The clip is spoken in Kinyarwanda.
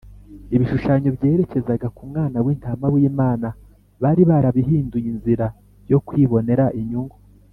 ibishushanyo byerekezaga ku mwana w’intama w’imana bari barabihinduye inzira yo kwibonera inyungu